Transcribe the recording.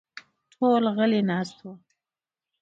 ټول غلي ناست وو.